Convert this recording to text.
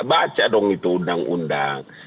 baca dong itu undang undang